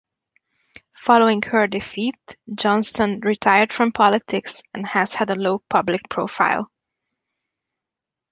Following her defeat Johnston retired from politics and has had a low public profile.